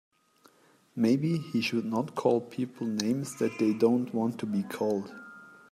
Maybe he should not call people names that they don't want to be called.